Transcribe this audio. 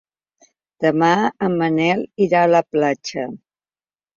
Demà en Manel irà a la platja.